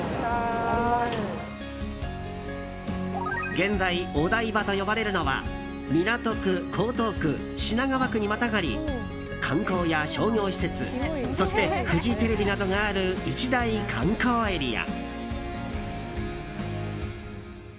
現在、お台場と呼ばれるのは港区、江東区、品川区にまたがり観光や商業施設そして、フジテレビなどがある一大観光エリア。